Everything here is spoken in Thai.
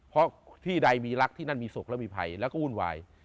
เพราะที่ใดมีรักที่นั่นมีสุขและมีภัยแล้วก็วุ่นวาย